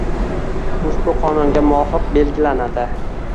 ushbu Qonunga muvofiq belgilanadi.